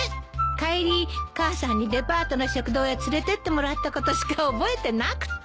帰り母さんにデパートの食堂へ連れてってもらったことしか覚えてなくて。